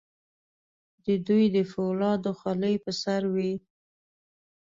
د دوی د فولادو خولۍ په سر وې.